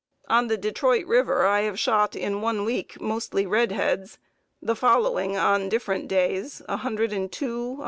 On the Detroit River I have shot, in one week, mostly redheads, the following on different days: 102, 119, 142, 155....